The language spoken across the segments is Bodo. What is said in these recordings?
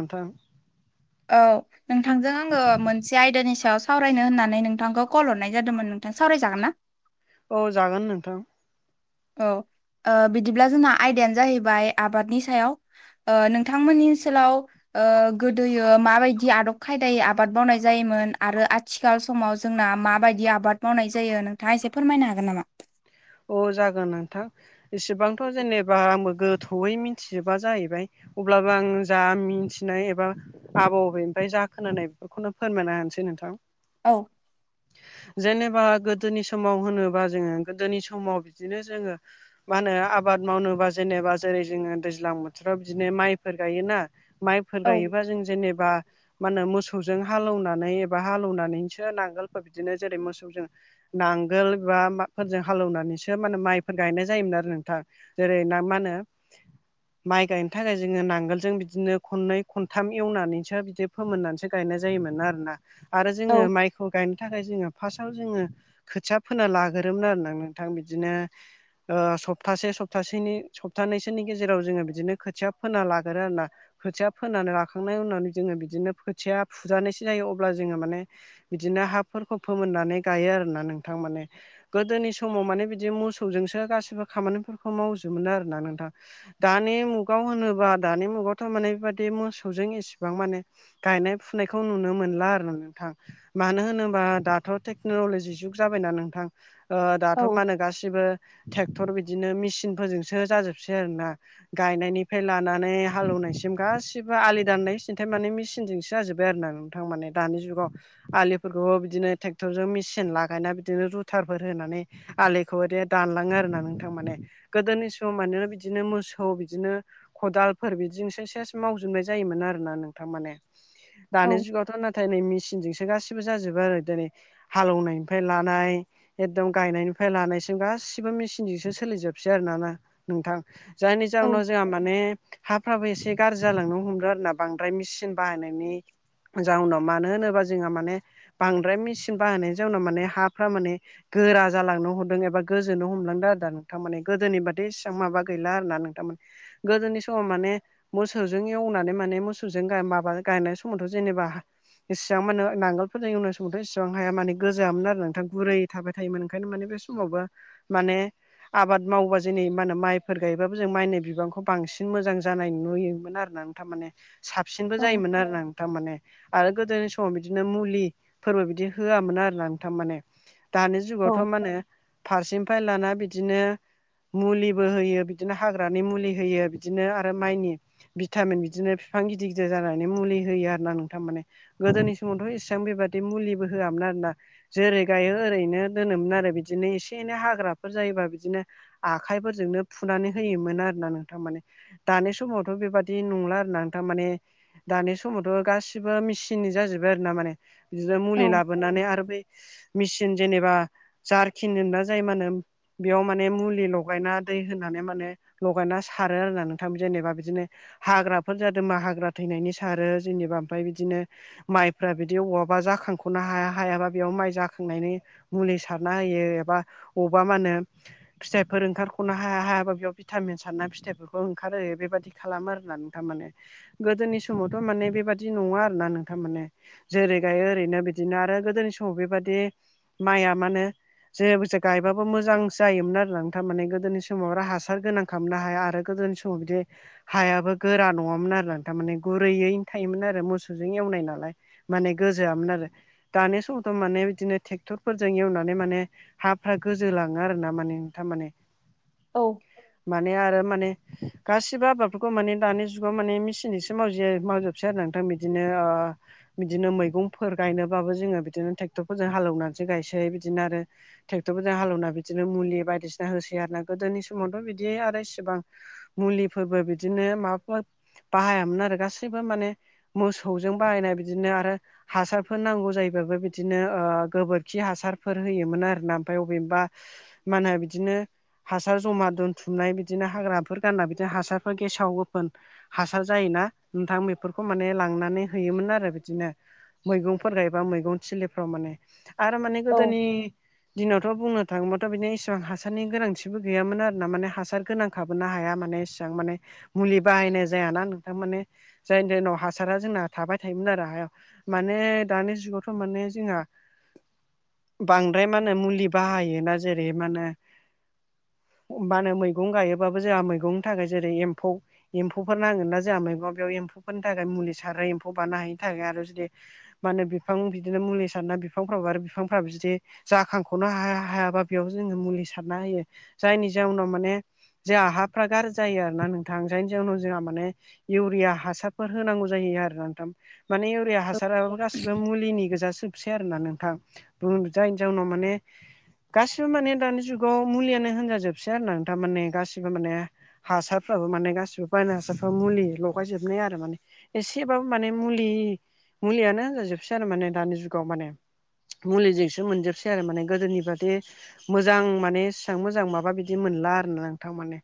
नोंथां औ नोंथांजों आङो मोनसे आयदानि सायाव सावरायनो होननानै नोंथांखौ कल हरनाय जादोंमोन नोंथां सावरायजागोन ना? औ जागोन नोंथां। औ ओ-बिदिब्ला जोंना आयदायानो जाहैबाय आबादनि सायाव। ओ-नोंथांमोननि ओनसोलाव। ओ-गोदोयो माबायदि आदब खायदायै आबाद मावनाय जायोमोन आरो थिखाल समाव जोंना माबायदि आबाद मावनाय जायो नोंथाङा एसे फोरमायनो हागोन नामा? अ जागोन नोंथां इसेबांथ जेनेब बा आंबो गोथौयै मिथिजोबा जाहैबाय अब्लाबो आं जा मिथिनाय एबा आबौ आबैनिफ्राय जा खोनानाय बेफोरखौनो फोरमायना होनसै नोंथां। औ जेनेबा गोदोनि समाव होनोबा जोङो गोदोनि सम समाव बिदिनो जोङो। मा होनो आबाद मावनोबा जेनेबा जेरै जोङो दैज्लां बोथोराव बिदिनो माइफोर गायोना। माइफोर औ गायोबा जों जेनेबा। मा होनो मोसौजों हालौनानै एबा हालेनानैसो नांगोलफोर बिदिनो जेरै मोसौजों। नांगोल बा माफोरजों। हालेवनानैसो मा होनो माइफोर गायनाय जायोमोन आरो नोंथां जेरै ना मा होनो। [inaudible] माइ गायनो थाखाय जोङो नांगोलजों बिदिनो खननै खनथाम एवनानैसो बिदि फोमोननानैसो। गायनाय जायोमोन आरोना। आरो औ जोङो माइखौ गायनो थाखाय जोङो फार्स्टआव जोङो खोथिया फोना लाग्रोमोन आरो ना नोंथां बिदिनो सप्तासे सप्तासेनि सप्तानैैसोनि गेजेराव जोङो बिदिनो खोथिया फोना लागोरो आरो ना। खोथिया फोनानै लाखांनायनि उनाव जोङो बिदिनो खोथिया फुजानायसो जायो अब्ला जोङो माने बिदिनो हाफोरखौ फोमोननानै गायो आरोना नोंथां माने गोदोनि स माव माने बिदि मोसौजोंसो गासिबो खामानिफोरखौ मावजोबो आरोना नोंथां। दानि मुगाव होनोबा दानि मुगावथ माने बेबादि मोसौजों इसिबां माने गायनाय फुनायखौ नुनो मोनला आरो नोंथां। मानो होनोबा दाथ टेक्नलजि जुग जाबायना नोंथां ओ- दा औ थ मा होनो गासिबो ट्रेक्टर बिदिनो मेसिनफोरजोंसो जाजोबसै आरोना। गायनायनिफ्राय लानानै हालौवनायसिम गासिबो आलि दाननाय सिन्थाय माने मेसिनजोंसो जाजोब्बाय आरो ना। थां माने दानि जुगाव। आलिफोरखौबो बिदिनो ट्रेक्टरजों मेसिन लागायना बिदिनो रुथारफोर होनानै। आलिखौ ओयदि दानलाङो आरो ना नोंथां माने। गोदोनि समाव मानोना बिदिनो मोसौ बिदिनो खदालफोर बिदिजोंसो सेस मावजोबनाय जायोमोन आरोना नोंथां माने औ दानि जुगावथ' दिनै मेसिनजोंसो गासिबो जाजोबो आरो दिनै हालेनायनिफ्राय लानाय एकदम गायनायनिफ्राय लानायसिम गासिबो मेसिनजोंसो सोलिजोबसै आरोना ना नोंथां। जायनि औ जाहोनाव जों जोंहा माने हाफ्राबो एसे गाज्रि जालांनो हमदों आरो ना बांद्राय मेचिन बाहायनायनि जाउनाव मानो होनोब्ला जोंहा माने बांद्राय मेसिन बाहायनाय जाउनाव माने हाफ्रा माने गोरा जालांनो हमदों एबा गोजोनो हमलांदों आरो दा नोंथां माने गोदोनि बादि इसिबां माबा गैला आरो ना नोंथां माने गोदोनि समाव माने मोसौजों एवनानै माने मोसौजों गा माबा गायनाय समावथ' जेनेबा इसिबां मानो नांगोलफोरजों ऐवनाय समावथ' इसेबां हाया माने गोजोआमोन आरो नोंथां गुरै थाबाय थायोमोन ओंखायनो माने बे समावबो माने आबाद मावबा जोंनि मा होनो माइफोर गायबाबो जों माइनि बिबांखौ बांसिन मोजां जानाय नुयोमोन आरो ना। थारमाने साबसिनबो औ जायोमोन आरोना। थारमाने आरो गोदोनि समाव बिदिनो मुलिफोरबो बिदि होआमोन आरोना नोंथां माने दानि जुगावथ' मा होनो फारसेनिफ्राय लाना बिदिनो मुलिबो होयो बिदिनो हाग्रानि मुलि होयो बिदिनो आरो माइनि भिटामिन बिदिनो बिफां गिदिर गिदिर जानायनि मुलि होयो आरो ना नोंथां माने। गोदोनि समावथ' इसिबां बेबादि मुलिबो होआमोन आरोना जेरै गायो ओरैनो दोनोमोन आरो बिदिनो एसे एनै हाग्राफोर जायोबा बिदिनो आखाइफोरजोंनो फुनानै होयोमोन आरोना नोंथां माने। दानि समावथ' बेबादि नंला आरो ना नोंथां माने दानि समावथ' गासिबो मेसिननि जाजोब्बाय आरो ना माने बिदिनो औ मुलि लाबोनानै आरो बै मेचिन जेनेबा जारखिन होनो ना जाय मा होनो बेयाव माने मुलि लगायना दै होनानै माने लगायना सारो आरोना नोंथां। जेनेबा बिदिनो हाग्राफोर जादों बा हाग्रा थैनायनि सारो जेनेबा ओमफ्राय बिदिनो माइफोरा बिदि अवाबा जाखांख'नो हाया हायाबा बेयाव माइ जा खांनायनि मुलि सारना होयो एबा अबा मा होनो फिथाइफोर ओंखारख'नो हाया हायाबा बेयाव भिटामिन सारना फिथाइफोरखौ ओंखारहो। बेबायदि खालामो आरोना नोंथां। माने गोदोनि समावथ' माने बेबादि नङा आरो ना नोंथां माने जेरै गायो ओरैनो बिदिनो आरो गोदोनि समाव बेबादि माइया मानो जेबोसो गायबाबो मोजां जायोमोन आरो नोंथा माने गोदोनि समाव आरो हासार गोनां खामनो हाया आरो गोदोनि समाव बिदि हायाबो गोरा नङामोन आरोना थारमाने गुरैयैनो थायोमोन आरो मोसौजों एवनाय नालाय। माने गोजोआमोन आरो दानि समावथ' माने बिदिनो ट्रेक्टरफोरजों एवनानै माने हाफ्रा गोजोलाङो आरो ना माने थारमाने। औ। माने आरो माने गासिबो आबादफोरखौ माने दानि जुगाव माने मेसिनसो मावसै मावजोबसै आरो नोंथां। बिदिनो ओ बिदिनो मैगंफोर गायनोबाबो जोङो बिदिनो ट्रेक्टरफोरजों हालौवनानैसो गायसै बिदिनो आरो ट्रेक्टरफोरजों हालेवना बिदिनो मुलि बायदिसिना होसै आरो ना गोदोनि समावथ' बिदि आरो इसेबां मुलिफोरबो बिदिनो माबाफोर बाहायामोन आरो गासैबो माने मोसौजों बाहायनाय बिदिनो आरो हासारफोर नांगौ जायोबाबो बिदिनो ओ गोबोरखि हासारफोर होयोमोन आरोना। ओमफाय बबेबा मा होनो बिदिनो हासार जमा दोनथुमनाय बिदिनो हाग्राफोर गारनाय बिदिनो हासारफोर गेसाव गोफोन हासार जायोना नोंथां बेफोरखौ माने लांनानै होयोमोन आरो बिदिनो। मैगंफोर गायबा मैगं थिलिफ्राव माने आरो माने औ गोदोनि दिनावथ' बुंनो थाङोबाथ' बिदिनो इसिबां हासार गोनांथिबो गैयामोन आरो ना। माने हासार गोनां खाबोनो हाया माने इसिबां माने मुलि बाहायनाय जायाना नोंथां माने जायनि जाहोनाव हासारा जोंना थाबाय थायोमोन आरो हायाव माने दानि जुगावथ' माने जोंहा बांद्राय मा होनो मुलि बाहायोना जेरै मा होनो मा होनो मैगं गायोबाबो जोंहा मैगंनि थाखाय जेरै एम्फौ एम्फौफोर नांङोना जोंहा मैगं बेयाव एम्फौफोरनि थाखाय मुलि सारो एम्फौ बानो हायिनि थाखाय आरो जुदि मा होनो बिफां बिदिनो मुलि सारना बिफांफोरावबो आरो बिफांफोराबो जुदि जाखांखनो हाया हायाबा बेयाव जोङो मुलि सारना होयो जायनि जाउनाव माने जोंहा हाफ्रा गाज्रि जायो आरोना नोंथां जायनि जाउनाव जोंहा माने इउरिया हासारफोर होनांगौ जायो आरो ना नोंथां माने इउरिया हासाराबो गासिबो मुलिनि गोजासो सै आरोना नोंथां उम जायनि जाउनाव माने गासिबो माने दानि जुगाव मुलियानो होनजाजोबसै आरो ना थारमाने गासिबो माने हासारफ्राबो माने गासिबो बायनाय हासारफ्रा मुलि लगायजोबनाय आरो माने एसेबाबो माने मुलि मुलियानो होनजाजोबसै आरो माने दानि जुगाव माने मुलिजोंसो मोनजोबसै आरो माने गोदोनि बादि मोजां माने एसेयां मोजां माबा बिदि मोनला आरो ना नोंथां माने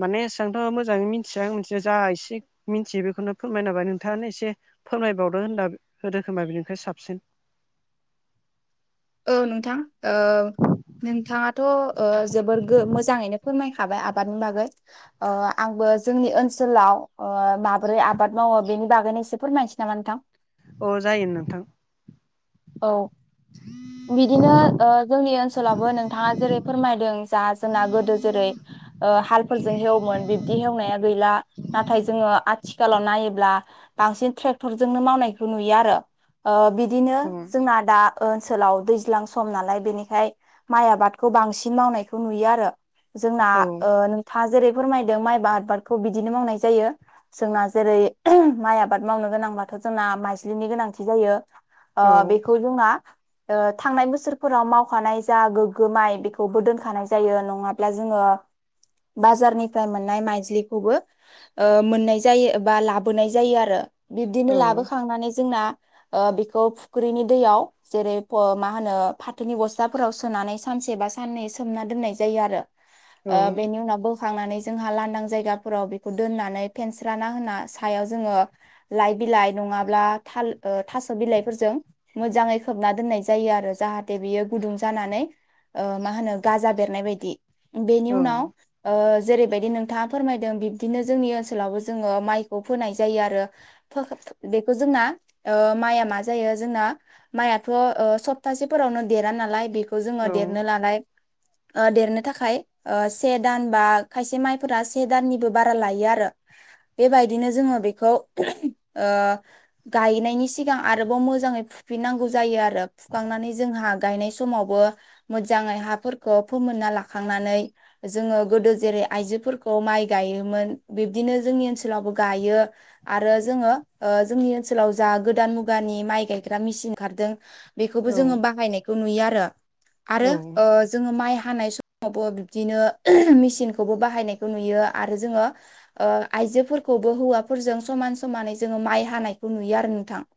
माने एसेयांथ' मोजाङै मिथिया आं मिथिनाया जा एसे मिनथियो बेखौनो फोरमायना होबाय नोंथाङानो एसे फोरमायबावदो होनना होदो होमबा बेनिफ्राय साबसिन औ नोंथां ओ नोंथाङाथ ओ जोबोर गो मोजाङैनो फोरमायखाबाय आबादनि बागै अ आंबो जोंनि ओनसोलाव अ माबोरै आबाद मावो बेनि बागैनो एसे फोरमायसै नामा नोंथां? अ जायो नोंथां औ बिदिनो जोंनि ओनसोलावबो नोंथाङा जेरै फोरमायदों जा जोंना गोदो जेरै ओ हालफोरजों हेवोमोन बिबदि हेवनाया गैला नाथाय जोङो आथि आथिखालाव नायोब्ला बांसिन ट्रेक्टरजोंनो मावनायखौ नुयो आरो ओ बिदिनो औ जोंना दा ओनसोलाव दैज्लां सम नालाय बेनिखाय माइ आबादखौ बांसिन मावनायखौ नुयो आरो जोंना ओ नों थाङा जेरै फोरमायदों माइ आबादखौ बिदिनो मावनाय जायो जोंना जेरै माइ आबाद मावनो गोनांब्लाथ' जोंना माइज्लिनि गोनांथि जायो ओ औ बेखौ जोंना थांनाय बोसोरफोराव मावखानाय जा गोग्गो माइ बेखौबो दोनखानाय जायो नङाब ब्ला जोङो बाजारनिफ्राय मोननाय माइज्लिखौबो मोननाय जायो बा लाबोनाय जायो आरो बिब्दिनो औ लाबोखांनानै जोंना ओ बेखौ फुख्रिनि दैयाव जेरै फ मा होनो फाथोनि बस्थाफोराव सोनानै सानसे बा साननै सोमना दोननाय जायो आरो ओ औ बेनि उनाव बो होखांनानै जोंहा लांदां जायगाफोराव बेखौ दोननानै फेनस्राना होना सायाव जोङो लाइ बिलाइ नङाब्ला थाल थास' बिलाइफोरजों मोजाङै खोबना दोननाय जायो आरो जाहाथे बियो गुदुं जानानै ओ मा होनो गाजा बेरनाय बायदि बेनि औ उनाव ओ जेरैबायदि नोंथाङा फोरमायदों बिब्दिनो जोंनि ओनसोलावबो जोङो माइखौ फोनाय जायो आरो बेखौ जोंना माइआ मा जायो जोंना माइआथ' सप्तासेफोरावनो देरा नालाय बे खौ जोङो औ देरनो लानाय ओ देरनो थाखाय से दान बा खायसे माइफोरा से दाननिबो बारा लायो आरो बेबायदिनो जोङो बेखौ ओ गायनायनि सिगां आरोबाव मो मोजाङै फुफिननांगौ जायो आरो फुखांनानै जोंहा गायनाय समावबो मोजाङै हाफोरखौ फोमोनना लाखांनानै जोङो गोदो जेरै आइजोफोरखौ माइ गायोमोन बिब्दिनो जोंनि ओनसोलावबो गायो आरो जोङो ओ जोंनि ओनसोलाव जा गोदान मुगानि माइ गायग्रा मेसिन ओंखिरदों औ बेखौबो जोङो बाहायनायखौ नुयो आरो औ आरो जोङो ओ माइ हानाय समावबो बिब्दिनो मेसिनखौबो बाहायनाय नुयो आरो जोङो आइजोफोरखौबो हौवाफोरजों समान समानै जोङो माइ हानायखौ नुयो आरो नोंथां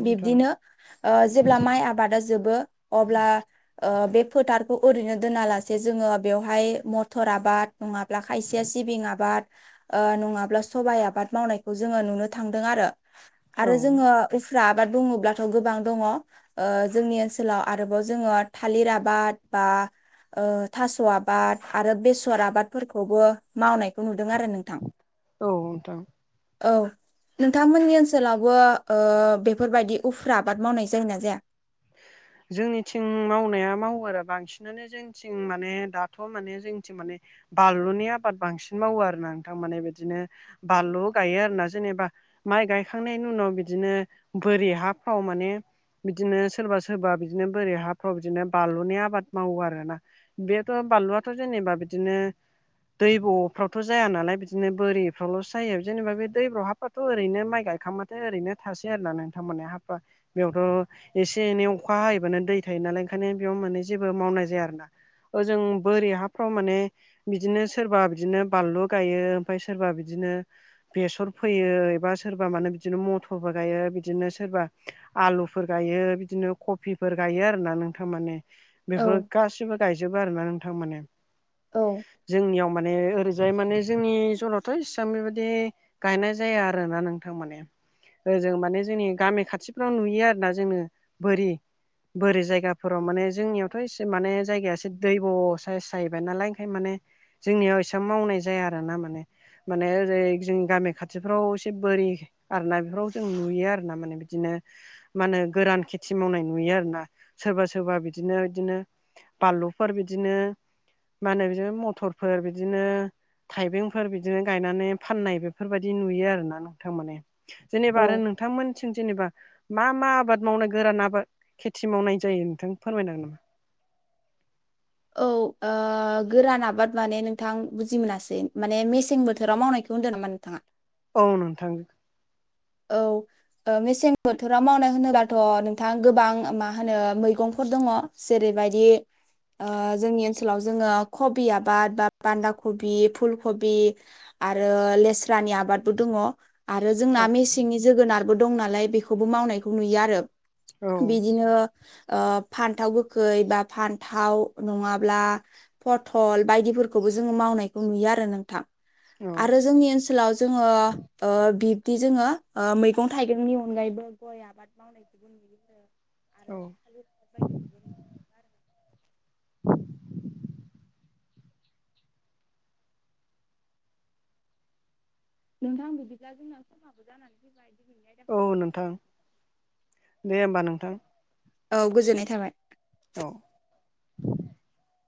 नोंथां बिब्दिनो जेब्ला माइ आबादा जोबो अब्ला बे फोथारखौ ओरैनो दोनालासे जोङो बेवहाय मथर आबाद नङाब्ला खायसेया सिबिं आबाद नङाब्ला सबाइ आबाद मावनायखौ जोङो नुनो थांदों आरो औ आरो जोङो उफ्रा आबाद बुङोब्लाथ' गोबां दङ ओ जोंनि ओनसोलाव आरोबाव जोङो थालिर आबाद बा ओ थास' आबाद आरो बेसर आबादफोरखौबो मावनायखौ नुदों आरो नोंथां [inaudible] औ नोंथां औ नोंथांमोननि ओनसोलावबो ओ बेफोरबायदि उफ्रा आबाद मावनाय जायोोना जाया? जोंनिथिं मावनाया मावो आरो बांसिनानो जोंथिं माने दाथ' माने जोंनिथिं माने आलुनि आबाद बांसिन मावो आरोना नोंथांमाने बिदिनो बानलु गायो आरोना जेनेबा माइ गायखांनायनि उनाव बिदिनो बोरि हाफ्राव माने बिदिनो सोरबा सोरबा बिदिनो बोरै हाफ्राव बिदिनो बानलुनि आबाद मावो आर ना बेथ' बानलुआथ' जेनेबा बिदिनो दैब'फ्रावथ' जाया नालाय बिदिनो बोरिफ्रावल'सो जायो जेनेबा बे दैब्राव हा थ' ओरैनो माइ गायखांबाथो ओरैनो थासै आरोना नोंथांमोनाने हाफ्रा बेयावथ' एसे एनै अखा हैबानो दै थायो नालाय ओंखायनो बेयाव माने जेबो मावनाय जाया आरोना ओजों बोरै हाफ्राव माने बिदिनो सोरबा बिदिनो बानलु गायो ओमफ्राय सोरबा बिदिनो बेसर फैयो एबा सोरबा मानो बिदिनो मथरबो गायो बिदिनो सोरबा आलुफोर गायो बिदिनो कफिफोर गायो आरोना नोंथा माने औ बेफोर गासिबो गायजोबो आरो ना नोंथां माने। औ जोंनियाव माने ओरैजाय माने जोंनि जरावथ' इसेबां बेबायदि गायनाय जाया आरोना नोंथां माने ओजों माने जोंनि गामि खाथिफ्राव नुयो आरोना जोङो बोरि बोरै जायगाफोराव माने जोंनियावथ' एसे माने जायगाया एसे दै ब' साइस जाहैबाय नालाय ओंखाय माने जोंनियाव एसेब मावनाय जाया आरो ना माने माने ओरै जोंनि गामि खाथिफ्राव एसे बोरि आरो ना बेफोराव जों नुयो आरो ना माने बिदिनो मा होनो गोरान खेथि मावनाय नुयो आरोना सोरबा सोरबा बिदिनो बिदिनो बानलुफोर बिदिनो मा होनो बिदिनो मथरफोर बिदिनो थाइबेंफोर बिदिनो गायनानै फाननाय बेफोरबायदि नुयो आरोना नोंथां माने। जेनेबा औ आरो नोंथांमोनसिम जेनेबा मा मा आबाद मावनाय गोरान आबाद खेथि मावनाय जायो नोंथां फोरमायनो हागोन नामा? औ गोरान आबाद माने नोंथां बुजि मोनासै माने मेसें बोथोराव मावनायखौ बुङो दों नामा नोंथाङा? औ नोंथां औ ओ मेसें बोथोराव मावनाय होनोब्लााथ' नोंथाङा गोबां मा होनो मैगंफोर दङ। जेरैबायदि जोंनि ओनसोलाव जोङो कबि आबाद बा बान्दा कबि, फुल कबि, आरो लेस्रानि आबादबो दङ। आरो जोंना मेसेंनि जोगोनारबो दं नालाय बेखौबो मावनायखौ नुयो आरो औ बेदिनो ओ फान्थाव गोखै बा फान्थाव नङाब्ला फटल बायदिफोरखौबो जोङो मावनायखौ नुयो आरो नोंथां औ आरो जोंनि ओनसोलाव जोङो ओ बिब्दि जोङो ओ मैगं थाइगंनि अनगायैबो गय आबाद औ मावनायखौबो [unintelligible] [unintelligible] [inaudible] नोंथांबो बिदिब्ला जोंना खहाबो जानानै औ फैबाय नोंथां दे होमबा नोंथां औ गोजोननाय थाबाय औ